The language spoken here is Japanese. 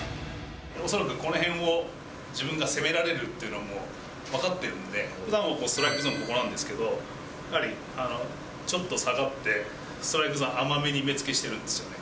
恐らくこの辺を自分が攻められるっていうのは、もう分かってるんで、ふだんはこう、ストライクゾーンはここなんですけど、やはりちょっと下がって、ストライクゾーン、甘めに目付けしてるんですよね。